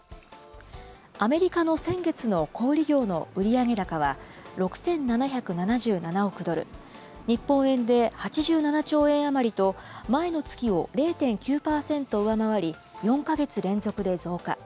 アメリカの先月の小売り業の売上高は、６７７７億ドル、日本円で８７兆円余りと、前の月を０．９％上回り４か月連続で増加。